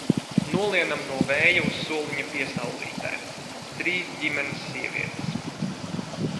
Nolienam no vēja uz soliņa piesaulītē, trīs ģimenes sievietes.